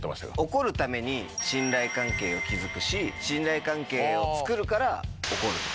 怒るために信頼関係を築くし、信頼関係を作るから怒る。